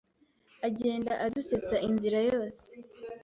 Agenda adusetsa inzira yose